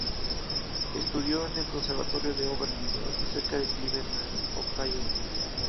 Estudió en el Conservatorio de Oberlin, cerca de Cleveland, Ohio.